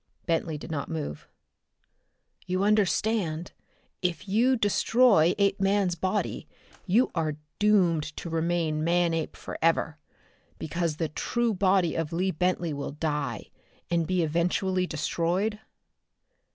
Bentley did not move. "You understand if you destroy Apeman's body, you are doomed to remain Manape forever, because the true body of Lee Bentley will die and be eventually destroyed?"